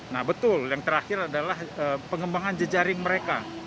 nah betul yang terakhir adalah pengembangan jejaring mereka